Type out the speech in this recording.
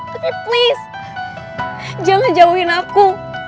tapi please jangan jauhin aku